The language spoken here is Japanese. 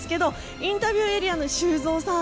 インタビューエリアの修造さん